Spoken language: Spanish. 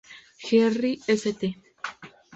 Jerry St.